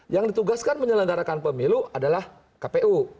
yang ditugaskan menyelenggarakan pemilu adalah kpu